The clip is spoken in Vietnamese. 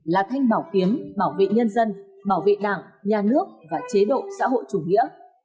là thanh bảo kiếm bảo vệ nhân dân bảo vệ đảng nhà nước và chế độ xã hội chủ nghĩa